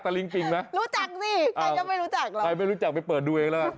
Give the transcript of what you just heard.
ใครไม่รู้จักไปเปิดดูเองล่ะ